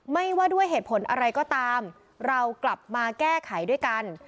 ไม่ว่าด้วยเหตุผลอะไรก็ตามเรากลับมาแก้ไขด้วยกัน